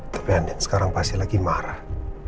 tapi anda sekarang pasti lagi marah